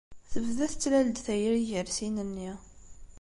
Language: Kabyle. Tebda tettlal-d tayri gar sin-nni.